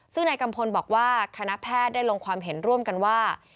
ซึ่งนายกัมพลบอกว่าคณะแพทย์ได้ลงความเห็นร่วมกันว่า